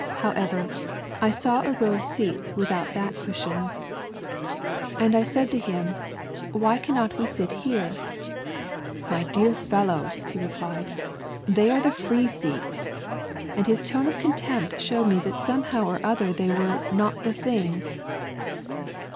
However, I saw a row of seats withoat backs or cushions, and I HOW I WENT TO CHDRCH ^TH BOODLE. 17 , said to him, " Why cannot wo sit here ?"" My dear fellow," he replied, " they are the free Beats," and his tone of contempt showed me that somehow or other they " were not the thing."